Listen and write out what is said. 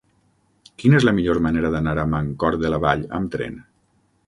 Quina és la millor manera d'anar a Mancor de la Vall amb tren?